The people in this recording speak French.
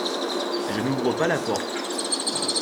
Je n’ouvre pas la porte.